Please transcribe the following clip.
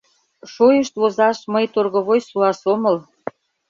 Шойышт возаш мый торговой суас омыл.